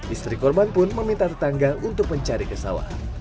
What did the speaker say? istri korban pun meminta tetangga untuk mencari ke sawah